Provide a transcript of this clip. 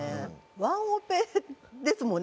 ワンオペですもんね？